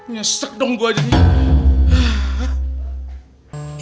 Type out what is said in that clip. nyesek dong gue aja nih